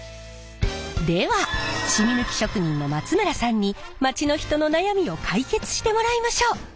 ではしみ抜き職人の松村さんに街の人の悩みを解決してもらいましょう。